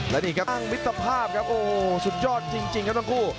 แล้วดีครับมถภาพครับโอสุดยอดจริงครับทั้งผู้